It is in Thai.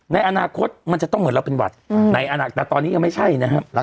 ในอนาคตมันจะต้องเหมือนเราเป็นหวัดในอนาคตแต่ตอนนี้ยังไม่ใช่นะครับ